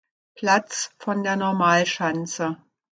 Platz von der Normalschanze.